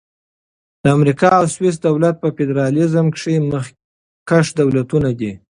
د امریکا او سویس دولت په فدرالیزم کښي مخکښ دولتونه دي.